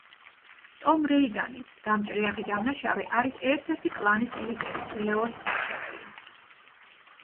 ტომ რეიგანი, გამჭრიახი დამნაშავე არის ერთ-ერთი კლანის ლიდერის, ლეოს მრჩეველი.